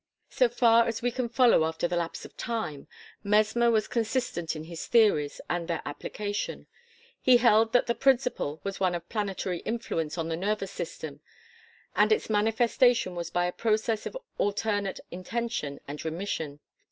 So far as we can follow after the lapse of time, Mesmer was consistent in his theories and their application. He held that the principle was one of planetary influence on the nervous system, and its manifestation was by a process of alternate intension and remission.